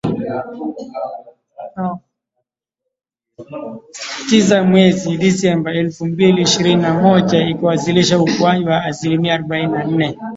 Tisa mwezi Disemba elfu mbili ishirini na moja , ikiwasilisha ukuaji wa asilimia arubaini na nne